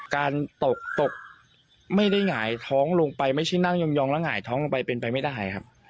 การตกตกไม่ได้หงายท้องลงไปไม่ใช่นั่งยองแล้วหงายท้องลงไปเป็นไปไม่ได้ครับ